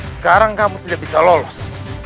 sekarang kamu tidak bisa lolos